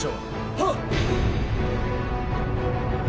はっ！